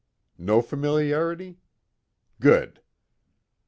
No familiarity? Good."